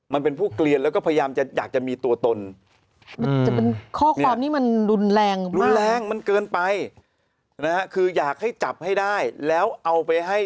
หลานย่าโมคือคนเมืองโคราชเนี่ย